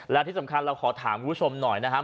และที่สำคัญเราขอถามคุณผู้ชมหน่อยนะครับ